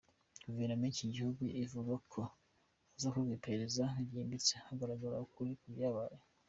Guverinoma y’iki gihugu ivuga ko hazakorwa iperereza ryimbitse hakagaragara ukuri ku byabaye.